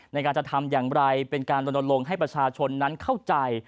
ในการจะทำอย่างไรเป็นการลนลงให้ประชาชนนั้นเข้าใจ